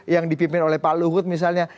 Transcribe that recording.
yang dipimpin oleh pak luhut misalnya